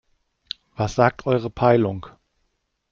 Was sagt eure Peilung?